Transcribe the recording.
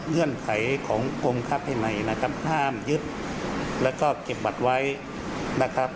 เงื่อนไขขององค์ค้าเท่าไหร่นะครับห้ามยึดแล้วก็เก็บบัตรไว้นะครับ